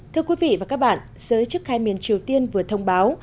thưa quý vị và các bạn giới chức khai miền triều tiên vừa thông báo